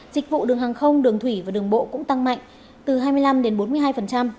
dịch vụ đường hàng không đường thủy và đường bộ cũng tăng mạnh từ hai mươi năm đến bốn mươi hai